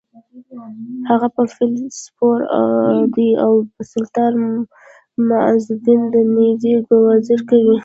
هغه په فیل سپور دی او په سلطان معزالدین د نېزې ګوزار کوي: